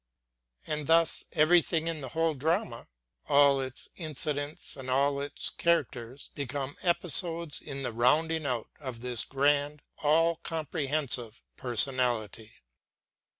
And thus, everything in the whole drama, all its incidents and all its characters, become episodes in the rounding out of this grand, all comprehensive personality.